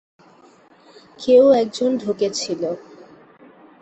কেউ একজন ঢুকেছিল।